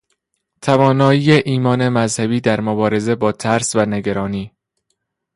توانایی ایمان مذهبی در مبارزه با ترس و نگرانی